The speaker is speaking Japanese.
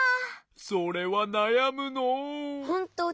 それはなやむのう。